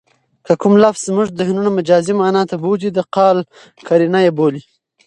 که کوم لفظ زمونږ ذهنونه مجازي مانا ته بوځي؛ د قال قرینه ئې بولي.